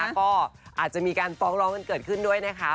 ก็อาจจะมีการฟ้องร้องกันเกิดขึ้นด้วยนะคะ